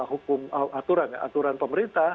hukum aturan ya aturan aturan pemerintah